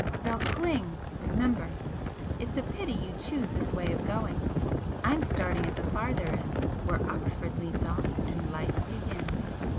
They'll cling, remember! It's a pity you choose this way of going, I'm starting at the farther end where Oxford leaves off and Life begins!'